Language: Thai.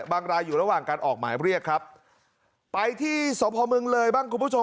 รายอยู่ระหว่างการออกหมายเรียกครับไปที่สพเมืองเลยบ้างคุณผู้ชม